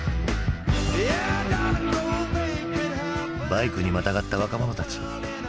バイクにまたがった若者たち。